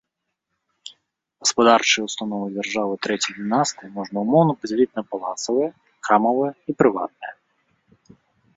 Гаспадарчыя ўстановы дзяржавы трэцяй дынастыі можна ўмоўна падзяліць на палацавыя, храмавыя і прыватныя.